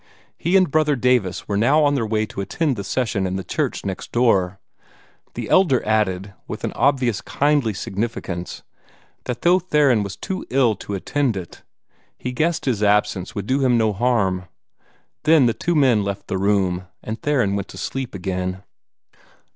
He and Brother Davis were even now on their way to attend the session in the church next door. The Elder added, with an obvious kindly significance, that though Theron was too ill to attend it, he guessed his absence would do him no harm. Then the two men left the room, and Theron went to sleep again.